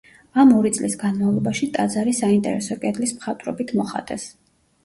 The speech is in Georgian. ამ ორი წლის განმავლობაში ტაძარი საინტერესო კედლის მხატვრობით მოხატეს.